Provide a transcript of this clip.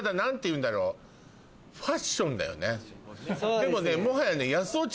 でもねもはや。